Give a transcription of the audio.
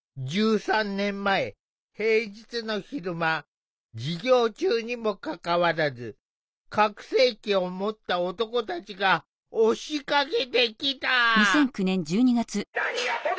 １３年前平日の昼間授業中にもかかわらず拡声機を持った男たちが押しかけてきた。